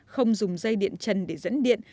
không dùng dây điện trần để dẫn điện